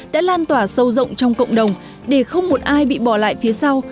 đã lan tỏa sâu rộng trong cộng đồng để không một ai bị bỏ lại phía sau